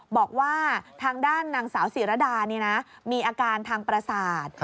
บอกว่าทางด้านนางสาวศิรดามีอาการทางประสาท